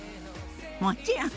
もちろん！